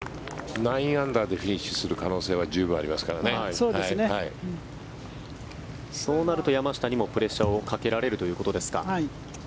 リ・ハナは、９アンダーでフィニッシュする可能性はそうなると山下にもプレッシャーをかけられるということですか。